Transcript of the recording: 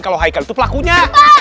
kalau haikal itu pelakunya